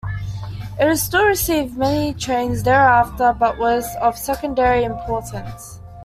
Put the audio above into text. It still received many trains thereafter, but was of secondary importance.